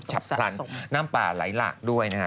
ฉับพลันน้ำป่าไหลหลากด้วยนะฮะ